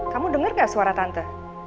kamu dengar gak suara tante